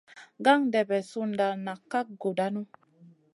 Gandebe sunda nak ka gudanu.